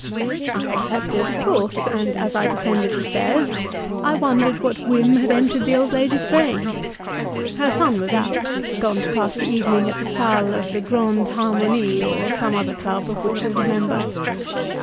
I accepted, of course, and as I descended the stairs, I wondered what whim had entered the old lady's brain; her son was out gone to pass the evening at the Salle of the Grande Harmonie or some other club of which he was a member.